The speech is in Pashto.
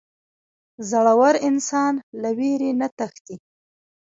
• زړور انسان له وېرې نه تښتي.